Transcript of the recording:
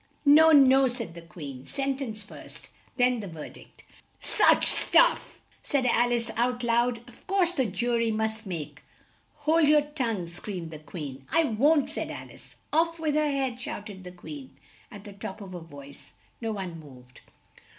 "No! no!" said the Queen. "Sen tence first then the ver dict." "Such stuff!" said Al ice out loud. "Of course the ju ry must make " "Hold your tongue!" screamed the Queen. "I won't!" said Al ice. "Off with her head!" shout ed the Queen at the top of her voice. No one moved.